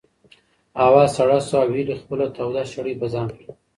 هوا سړه شوه او هیلې خپله توده شړۍ په ځان کړه.